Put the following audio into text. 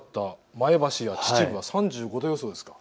前橋や秩父は３５度予想ですか。